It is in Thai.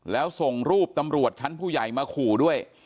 แล้วส่งรูปตำรวจชั้นผู้ใหญ่มาขู่ด้วย